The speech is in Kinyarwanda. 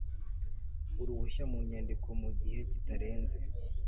uruhushya mu nyandiko mu gihe kitarenze